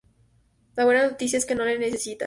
La buena noticia es que no lo necesitas".